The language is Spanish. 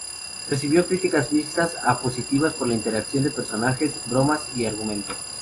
Recibió críticas mixtas a positivas por la interacción de personajes, bromas y argumento.